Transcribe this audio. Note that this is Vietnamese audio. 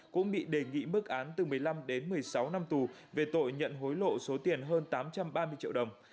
cũng bị đề nghị mức án từ một mươi năm đến một mươi sáu năm tù về tội nhận hối lộ số tiền hơn tám trăm ba mươi triệu đồng